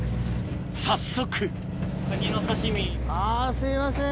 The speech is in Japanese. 早速あぁすいません